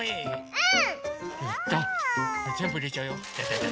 うん！